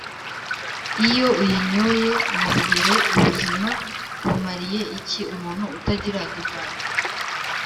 iyo uyinyoye mu rugeroUbuzima bumariye iki umuntu utagira divayi?